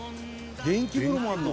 電気風呂もあるの？」